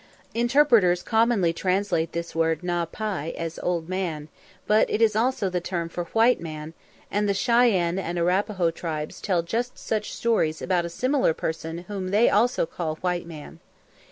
Interpreters commonly translate this word Na´pi as Old Man, but it is also the term for white man; and the Cheyenne and Arapahoe tribes tell just such stories about a similar person whom they also call "white man."